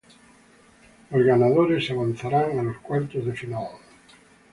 Los ganadores avanzarán a los cuartos de final.